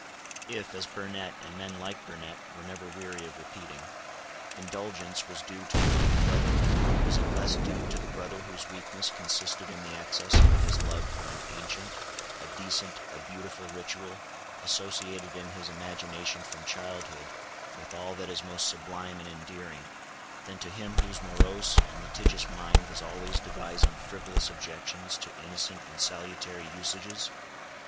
If, as Burnet and men like Burnet were never weary of repeating, indulgence was due to a weak brother, was it less due to the brother whose weakness consisted in the excess of his love for an ancient, a decent, a beautiful ritual, associated in his imagination from childhood with all that is most sublime and endearing, than to him whose morose and litigious mind was always devising frivolous objections to innocent and salutary usages?